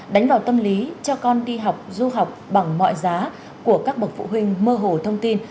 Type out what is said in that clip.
đánh vào tâm lý cho con đi học du học bằng mọi giá của các bậc phụ huynh mơ hồ thông tin